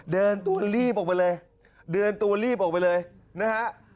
เดินตัวรีบออกไปเลยออกไปเลยนะฮะ